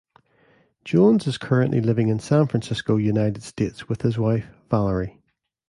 Jones is currently living in San Francisco, United States, with his wife, Valerie.